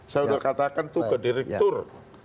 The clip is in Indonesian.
saya udah katakan tuh ke direktur